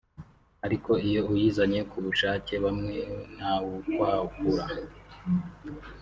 ariko iyo uyizanye ku bushake bwawe ntawukwakura